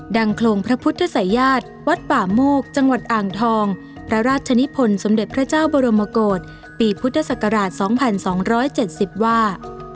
ดังโครงพระพุทธศัยยาติวัดป่ามูกจังหวัดอ่างทองพระราชนิพพลสมเด็จพระเจ้าบรมกฏปีพุทธศักราชสองพันสองร้อยเจ็ดสิบว่า